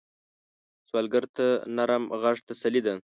سوالګر ته نرم غږ تسلي ده